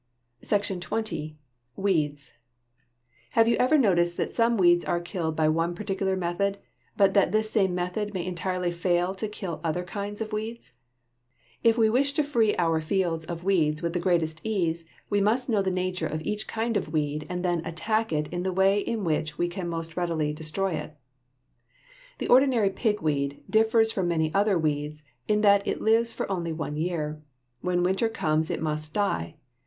SECTION XX. WEEDS Have you ever noticed that some weeds are killed by one particular method, but that this same method may entirely fail to kill other kinds of weeds? If we wish to free our fields of weeds with the greatest ease, we must know the nature of each kind of weed and then attack it in the way in which we can most readily destroy it. [Illustration: FIG. 56. PIGWEED] The ordinary pigweed (Fig. 56) differs from many other weeds in that it lives for only one year. When winter comes, it must die.